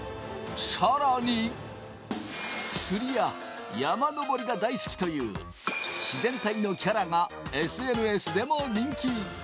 さらに、釣りや山登りが大好きという自然体のキャラがＳＮＳでも人気。